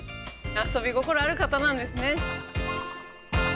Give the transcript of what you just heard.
遊び心ある方なんですね。